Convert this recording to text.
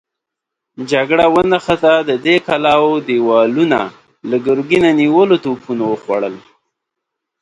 جګړه ونښته، د دې کلاوو دېوالونه له ګرګينه نيولو توپونو وخوړل.